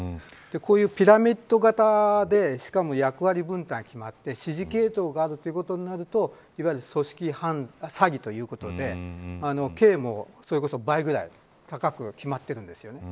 こういうピラミッド形でしかも役割分担が決まって指示系統があるということになるといわゆる組織詐欺ということで刑も、それこそ倍ぐらい高く決まっているんですよね。